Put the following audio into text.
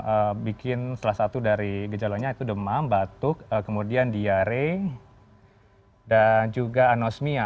kita bikin salah satu dari gejalanya itu demam batuk kemudian diare dan juga anosmia